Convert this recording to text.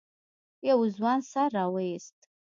يوه ځوان سر راويست.